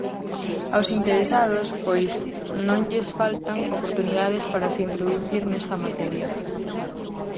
Aos interesados, pois, non lles faltan oportunidades para se introducir nesta materia.